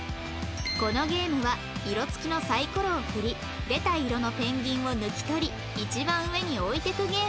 このゲームは色付きのサイコロを振り出た色のペンギンを抜き取り一番上に置いていくゲーム